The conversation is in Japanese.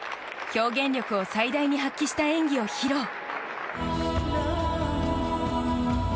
表現力を最大に発揮した演技を披露。